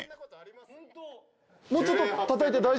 もうちょっとたたいて大丈夫ですか？